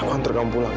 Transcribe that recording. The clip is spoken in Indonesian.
aku hantar kamu pulang